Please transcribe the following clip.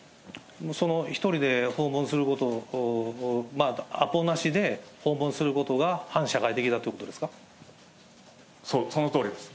１人で訪問すること、アポなしで訪問することが反社会的だとそのとおりです。